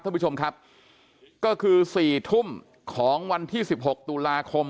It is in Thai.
ท่านผู้ชมครับก็คือ๔ทุ่มของวันที่สิบหกตุลาคม